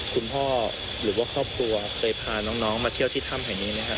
คุณพ่อหรือว่าครอบครัวเคยพาน้องมาเที่ยวที่ถ้ำแห่งนี้ไหมครับ